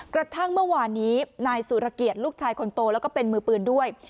กระทั่งเมื่อวานนี้นายสุรเกียรติลูกชายคนโตแล้วก็เป็นมือปืนด้วย